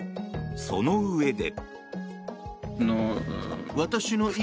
そのうえで。